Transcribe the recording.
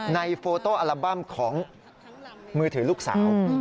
โฟโต้อัลบั้มของมือถือลูกสาว